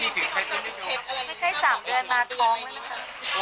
ไม่ได้ถือกฮัยเจนไม่ใช่อะไร